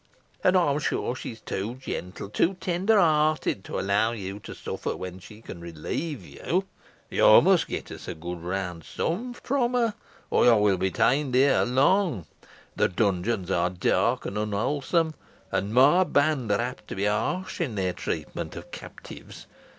And I am sure she is too gentle, too tender hearted, to allow you to suffer when she can relieve you. You must get us a good round sum from her or you will be detained here long. The dungeons are dark and unwholesome, and my band are apt to be harsh in their treatment of captives.